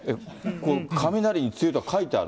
雷に強いと書いてある。